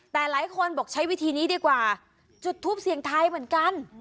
แต่หลายคนบอกใช้วิธีนี้ดีกว่าจุดทูปเสียงไทยเหมือนกัน